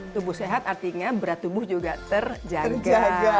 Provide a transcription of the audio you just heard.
tubuh sehat artinya berat tubuh juga terjaga